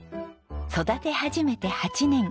育て始めて８年。